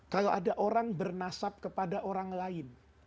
kalau ada orang bernasab kepada orang lain